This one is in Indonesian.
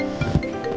aku mau ke rumah